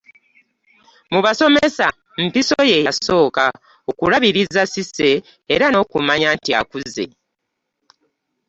Mu basomesa Mpiso ye yasooka okulabiriza Cissy era n'okumanya nti akuze.